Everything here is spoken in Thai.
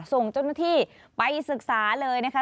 ส่งเจ้าหน้าที่ไปศึกษาเลยนะคะ